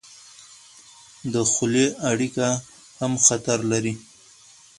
د خولې اړیکه هم خطر لري.